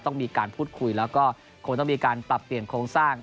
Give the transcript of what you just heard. ต้องมีการพูดคุยแล้วก็คงต้องมีการปรับเปลี่ยนโครงสร้าง